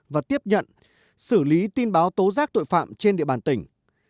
và tiếp nhận xử lý tin báo tố giác tội phạm trên địa bàn tỉnh